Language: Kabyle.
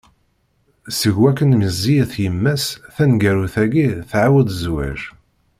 Seg wakken meẓẓiyet yemma-s, taneggarut-agi tɛawed zzwaǧ.